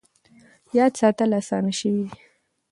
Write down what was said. یاد ساتل اسانه شوي دي.